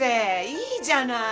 いいじゃない。